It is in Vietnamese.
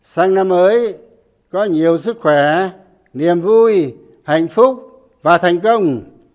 sáng năm mới có nhiều sức khỏe niềm vui hạnh phúc và thành công